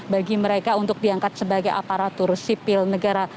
bagi mereka untuk diangkat sebagai aparatur sipil negara